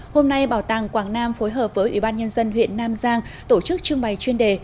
hôm nay bảo tàng quảng nam phối hợp với ủy ban nhân dân huyện nam giang tổ chức trưng bày chuyên đề